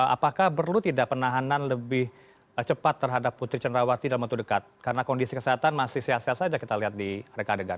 apakah perlu tidak penahanan lebih cepat terhadap putri cenrawati dalam waktu dekat karena kondisi kesehatan masih sia sia saja kita lihat di reka degan